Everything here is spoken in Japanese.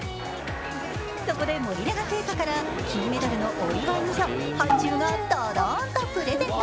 そこで森永製菓から金メダルのお祝いにとハイチュウをドドンとプレゼント。